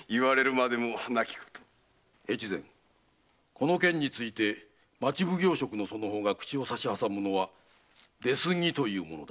この件について町奉行職のその方が口を差し挟むのは“出過ぎ”というものだぞ。